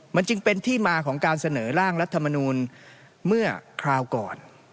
มันจึงเป็นที่มาของการเสนอร่างรัฐมนูลเมื่อคราวก่อน